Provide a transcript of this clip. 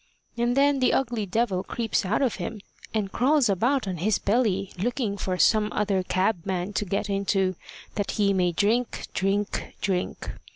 And then the ugly devil creeps out of him, and crawls about on his belly, looking for some other cabman to get into, that he may drink, drink, drink.